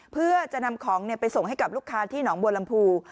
เพื่อจะนำของไปส่งให้กับลูกค้าที่หนองบัวลำพู